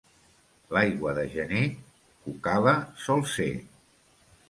L'aigua de gener cucala sol ser.